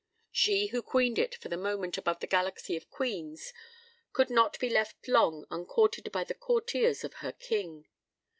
She who queened it for the moment above a galaxy of queens could not be left long uncourted by the courtiers of her King.